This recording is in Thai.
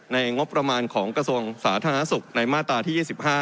งบประมาณของกระทรวงสาธารณสุขในมาตราที่๒๕